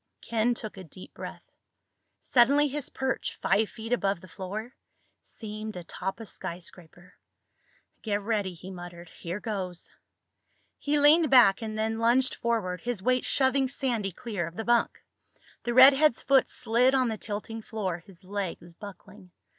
Ken took a deep breath. Suddenly his perch, five feet above the floor, seemed atop a skyscraper. "Get ready," he muttered. "Here goes." He leaned back and then lunged forward, his weight shoving Sandy clear of the bunk. The redhead's foot slid on the tilting floor, his legs buckling.